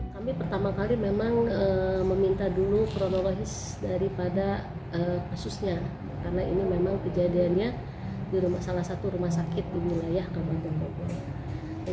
kami pertama kali memang meminta dulu kronologis daripada kasusnya karena ini memang kejadiannya di salah satu rumah sakit di wilayah kabupaten bogor